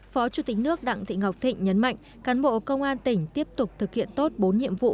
phó chủ tịch nước đặng thị ngọc thịnh nhấn mạnh cán bộ công an tỉnh tiếp tục thực hiện tốt bốn nhiệm vụ